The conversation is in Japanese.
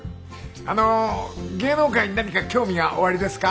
あの芸能界に何か興味がおありですか？